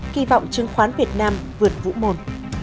kỳ vọng chứng khoán việt nam vượt vũ môn